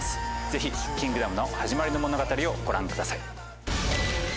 ぜひ『キングダム』の始まりの物語をご覧ください。